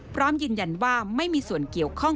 พร้อมยืนยันว่าไม่มีส่วนเกี่ยวข้อง